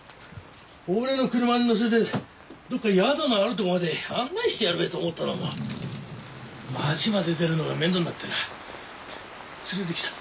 俺の車に乗せてどっか宿のあるとこまで案内してやるべと思ったども町まで出るのが面倒になってな連れてきた。